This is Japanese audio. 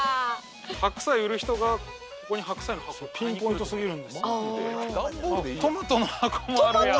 白菜売る人がここに白菜の箱ピンポイント過ぎる。